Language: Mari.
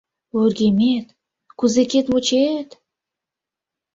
Вургемет, кузыкет-мочет...